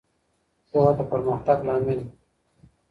پوهه د پرمختګ لامل ده.